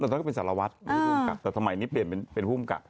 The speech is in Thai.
แล้วตอนนั้นก็เป็นสารวัฒน์อ่าภูมิกับแต่ถมัยนี้เปลี่ยนเป็นเป็นภูมิกับ